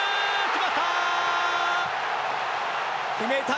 決まった！